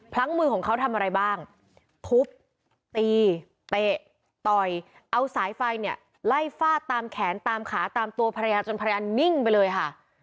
มือของเขาทำอะไรบ้างทุบตีเตะต่อยเอาสายไฟเนี่ยไล่ฟาดตามแขนตามขาตามตัวภรรยาจนภรรยานิ่งไปเลยค่ะ